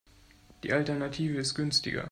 Die Alternative ist günstiger.